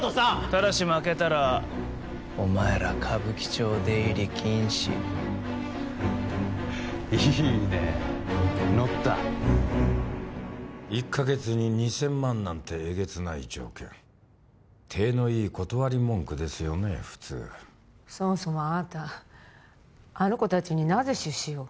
ただし負けたらお前ら歌舞伎町出入り禁止いいね乗った１か月で２０００万なんてえげつない条件体のいい断り文句ですよね普通そもそもあなたあの子達になぜ出資を？